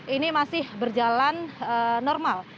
ini masih berjalan normal